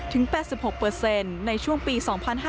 ถึง๘๖ในช่วงปี๒๕๖๐๒๕๖๑